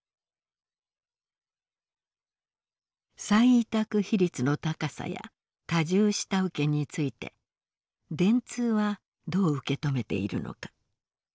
再委託比率の高さや多重下請けについて電通はどう受け止めているのか。